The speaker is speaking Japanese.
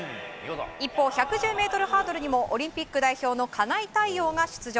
一方、１１０ｍハードルにもオリンピック代表の金井大旺が出場。